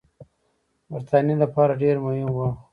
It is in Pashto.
برټانیې لپاره ډېر مهم وه.